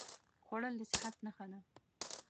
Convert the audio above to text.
خوړل د صحت نښه ده